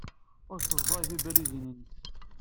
Ur yessaẓey tibalizin-nnes.